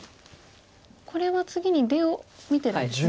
これは次に出を見てるんですね。